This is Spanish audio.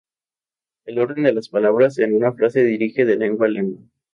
El orden de las palabras en una frase difiere de lengua a lengua.